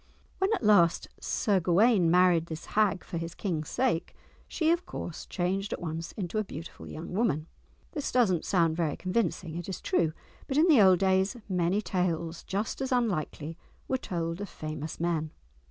When at last Sir Gawaine married this hag for his King's sake, she, of course, changed at once into a beautiful young woman! This does not sound very convincing, it is true, but in the old days many tales just as unlikely were told of famous men.